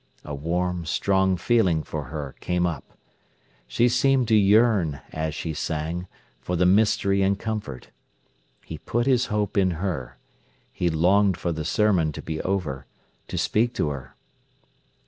A warm, strong feeling for her came up. She seemed to yearn, as she sang, for the mystery and comfort. He put his hope in her. He longed for the sermon to be over, to speak to her.